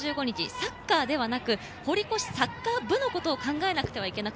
サッカーではなく堀越サッカー部のことを考えなくてはいけない。